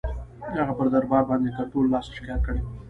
هغه پر دربار باندي د کنټرول له لاسه شکایت کړی وو.